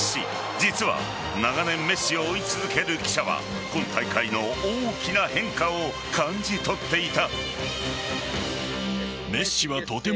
実は長年メッシを追い続ける記者は今大会の大きな変化を感じ取っていた。